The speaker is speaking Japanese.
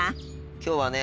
今日はね